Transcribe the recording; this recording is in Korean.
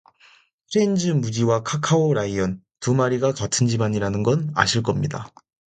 프렌즈 무지와 카카오 라이언, 두 마리가 같은 집안이라는 건 아실 겁니다.